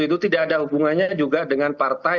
itu tidak ada hubungannya juga dengan partai